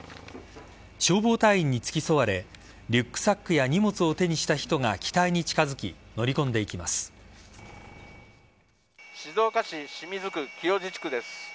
消防隊員に付き添われリュックサックや荷物を手にした人が機体に近づき静岡市清水区清地地区です。